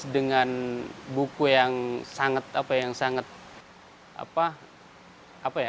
dengan buku yang sangat apa yang sangat apa ya